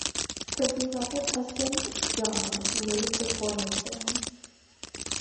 Her beloved husband, John, laid the cornerstone.